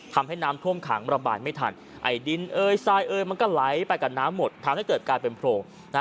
ทำให้น้ำท่วมขังระบายไม่ทันไอ้ดินเอยทรายเอ่ยมันก็ไหลไปกับน้ำหมดทำให้เกิดกลายเป็นโพรงนะฮะ